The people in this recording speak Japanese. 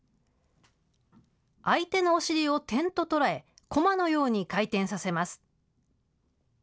相手のお尻を点と捉え、こまのように回転させます。